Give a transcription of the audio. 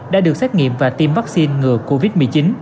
đã được xét nghiệm và tiêm vaccine ngừa covid một mươi chín